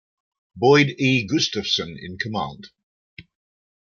Boyd E. Gustafson in command.